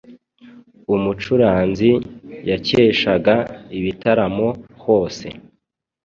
Umucuranzi yakeshaga ibitaramo hose.